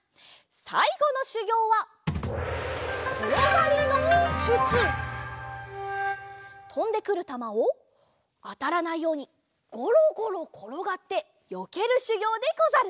さいごのしゅぎょうはとんでくるたまをあたらないようにゴロゴロころがってよけるしゅぎょうでござる。